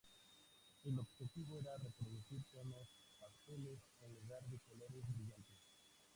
El objetivo era reproducir tonos pasteles en lugar de colores brillantes.